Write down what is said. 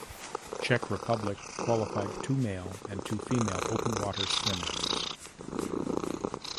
Czech Republic qualified two male and two female open water swimmers.